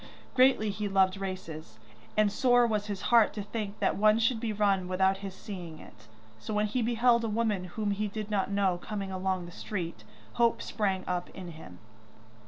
Greatly he loved races, and sore was his heart to think that one should be run without his seeing it, so when he beheld a woman whom he did not know coming along the street, hope sprang up in him.